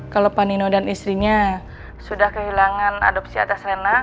kalau panino dan istrinya sudah kehilangan adopsi atas renang